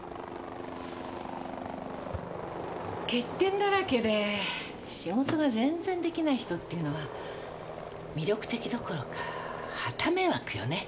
欠点だらけで仕事が全然できない人っていうのは魅力的どころかはた迷惑よね。